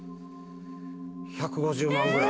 １５０万ぐらい。